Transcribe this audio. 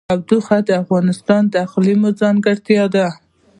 تودوخه د افغانستان د اقلیم ځانګړتیا ده.